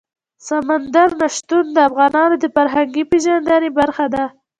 سمندر نه شتون د افغانانو د فرهنګي پیژندنې برخه ده.